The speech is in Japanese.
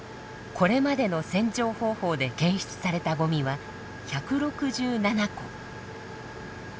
これまでの洗浄方法で検出されたゴミは１６７個。